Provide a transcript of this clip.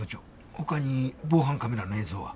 他に防犯カメラの映像は？